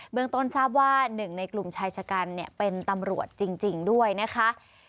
เมืองต้นทราบว่าหนึ่งในกลุ่มชายชะกันเป็นตำรวจจริงด้วยนะคะ